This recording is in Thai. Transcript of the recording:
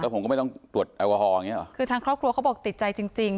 ผมก็ไม่ต้องตรวจแอลกอฮอลอย่างเงี้หรอคือทางครอบครัวเขาบอกติดใจจริงจริง